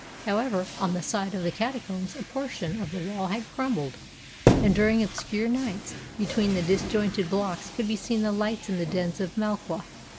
However, on the side of the Catacombs a portion of the wall had crumbled; and during obscure nights, be tween the disjointed blocks could be seen the lights in the dens of Malqua.